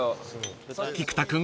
［菊田君